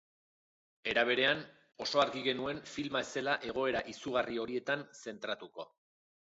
Era berean, oso argi genuen filma ez zela egoera izugarri horietan zentratuko.